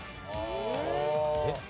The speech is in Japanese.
えっ？